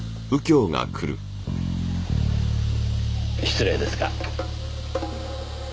失礼ですが。